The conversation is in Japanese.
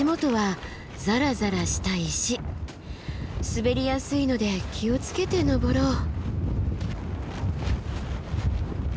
滑りやすいので気を付けて登ろう。